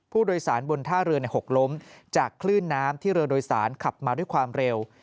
ผู้โดยสารบนท่าเรือหกล้มจากคลื่นน้ำที่เรือโดยสารขับมาด้วยความเร็ว